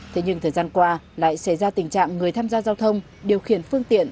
thế nhưng thời gian qua lại xảy ra tình trạng người tham gia giao thông điều khiển phương tiện